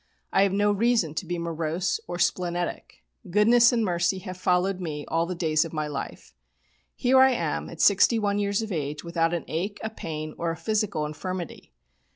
I have no reason to be morose or splenetic. 'Goodness and mercy have followed me all the days of my life.' Here I am at 61 years of age without an ache, a pain, or a physical infirmity.